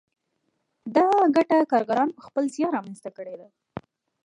دا ګټه کارګرانو په خپل زیار رامنځته کړې ده